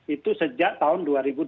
itu sejak tahun dua ribu dua belas